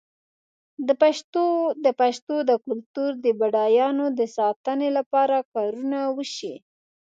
د پښتو د کلتور د بډاینو د ساتنې لپاره کارونه وشي.